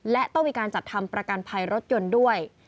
และต้องมีการจัดทำประกันภัยรถยนต์ด้วย